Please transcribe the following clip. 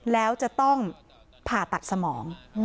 แล้วจะต้องผ่าตัดสมอง